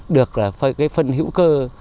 được là cái phân hữu cơ